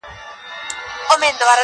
زه د نصیب له فیصلو وم بېخبره روان-